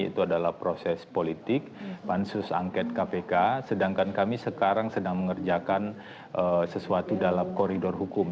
itu adalah proses politik pansus angket kpk sedangkan kami sekarang sedang mengerjakan sesuatu dalam koridor hukum